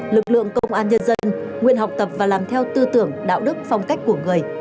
lực lượng công an nhân dân nguyện học tập và làm theo tư tưởng đạo đức phong cách của người